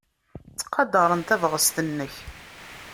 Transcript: Ttqadaren tabɣest-nnek.